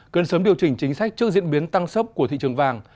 cần sớm điều chỉnh chính sách trước diễn biến tăng sốc của thị trường vàng